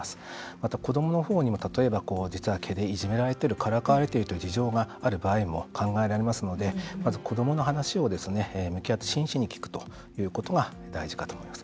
また、子どもの方にも例えば、実は毛でいじめているからかわれているという事情がある場合も考えられますので子どもの話を向き合って真摯に聞くということが大事かと思います。